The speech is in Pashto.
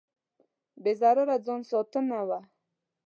بې ضرره ځان ستاینه وه.